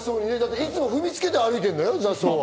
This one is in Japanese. いつも踏みつけて歩いてるんだよ？